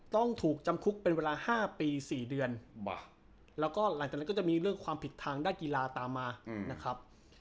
ต้องถูกจำคุกเป็นเวลา๕ปี๔เดือนแล้วก็หลังจากนั้นก็จะมีเรื่องความผิดทางด้านกีฬาตามมานะครับ